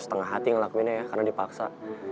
setengah hati ngelakuinnya ya karena dipaksa